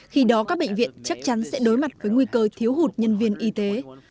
khi đó các bệnh viện chắc chắn sẽ đối mặt với nguy cơ thiếu hụt nhân viên y tế